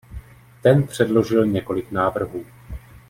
Ten předložil několik návrhů.